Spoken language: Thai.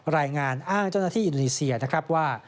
รายงานอ้างเจ้าหน้าที่อินโดนีเซียนะครับว่า